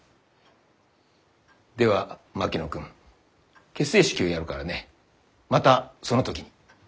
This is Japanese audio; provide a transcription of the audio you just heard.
では槙野君結成式をやるからねまたその時に。